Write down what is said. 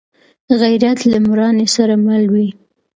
غیرت له مړانې سره مل وي